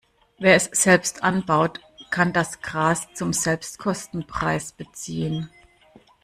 Wer es selbst anbaut, kann das Gras zum Selbstkostenpreis beziehen.